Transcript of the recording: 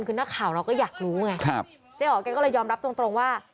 คือนักข่าวเราก็อยากรู้ไงเจ๊อ๋อแกก็เลยยอมรับตรงว่า